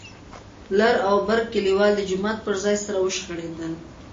لر او بر کليوال د جومات پر ځای سره وشخړېدل.